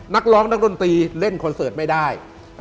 นักร้องนักดนตรีเล่นคอนเสิร์ตไม่ได้